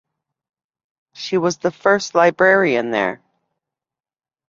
She was the first librarian there.